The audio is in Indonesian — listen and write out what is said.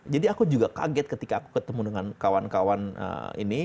jadi aku juga kaget ketika aku ketemu dengan kawan kawan ini